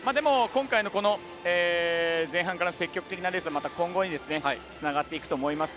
今回の前半から積極的なレースは今後につながっていくと思います。